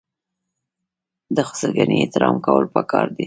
د خسرګنۍ احترام کول پکار دي.